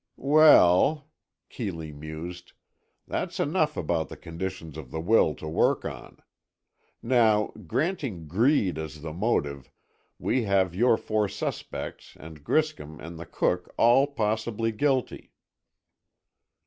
"Well," Keeley mused, "that's enough about the conditions of the will to work on. Now, granting greed as the motive, we have your four suspects and Griscom and the cook all possibly guilty."